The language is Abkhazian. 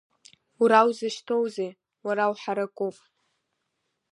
Уара узашьҭоузеи, уара уҳаракуп…